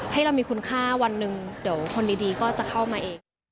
ให้เรามีคุณค่าวันหนึ่งเดี๋ยวคนดีก็จะเข้ามาเอง